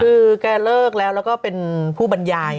คือแกเลิกแล้วแล้วก็เป็นผู้บรรยาย